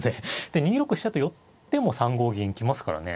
で２六飛車と寄っても３五銀来ますからね。